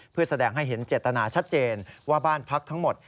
เพื่อแสดงให้เห็นเจตนาชัดเจนว่าบ้านพักทั้งหมด